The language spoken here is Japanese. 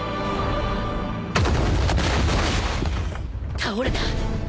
倒れた！